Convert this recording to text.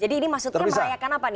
jadi ini maksudnya merayakan apa